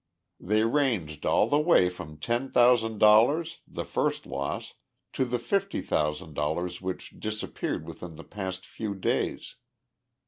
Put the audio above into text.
They ranged all the way from ten thousand dollars, the first loss, to the fifty thousand dollars which disappeared within the past few days.